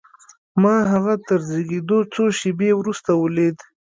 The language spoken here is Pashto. ما هغه تر زېږېدو څو شېبې وروسته وليد.